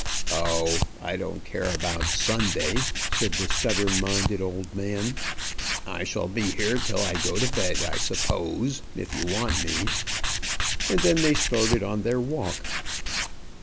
"Oh, I don't care about Sunday," said the stubborn minded old man. "I shall be here till I go to bed, I suppose, if you want me." And then they started on their walk.